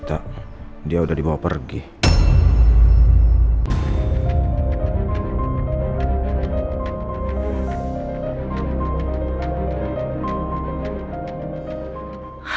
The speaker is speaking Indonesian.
astagfirullahaladzim apa yang dilarang kenapa malah dilakuin